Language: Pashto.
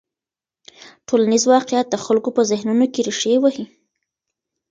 ټولنیز واقیعت د خلکو په ذهنونو کې رېښې وهي.